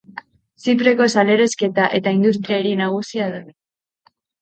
Zipreko salerosketa eta industria hiri nagusia da.